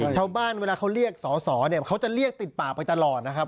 ชาวบ้านเวลาเขาเรียกสอเขาจะเรียกติดปากไปตลอดนะครับ